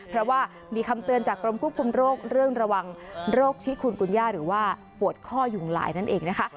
เพราะว่ามีคำเตือนจากกรมควบคุมโรคเรื่องระวังโรคชิคุณคุณย่าหรือว่าปวดข้อยุงลายนั่นเองนะคะ